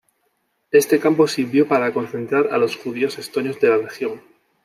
Este campo sirvió para concentrar a los judíos estonios de la región.